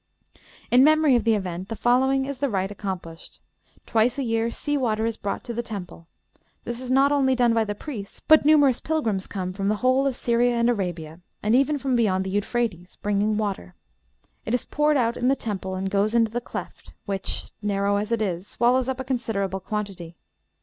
In memory of the event the following is the rite accomplished: Twice a year sea water is brought to the temple. This is not only done by the priests, but numerous pilgrims come from the whole of Syria and Arabia, and even from beyond the Euphrates, bringing water. It is poured out in the temple and goes into the cleft, which, narrow as it is, swallows up a considerable quantity.